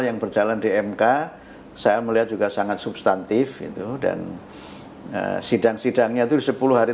yang berjalan di mk saya melihat juga sangat substantif itu dan sidang sidangnya itu sepuluh hari